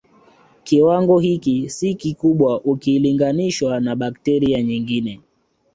Kiwango hiki si kikubwa ukilinganishwa na bakteria nyingine